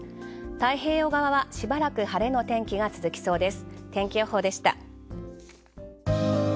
太平洋側はしばらく晴れの天気が続きそうです。